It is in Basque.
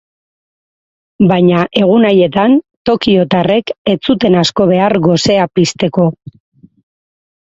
Baina egun haietan tokiotarrek ez zuten asko behar gosea pizteko.